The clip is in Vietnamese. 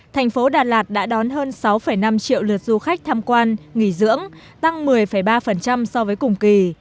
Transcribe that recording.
thành phố đà lạt đã đón hơn sáu năm triệu lượt du khách tham quan nghỉ dưỡng tăng một mươi ba so với cùng kỳ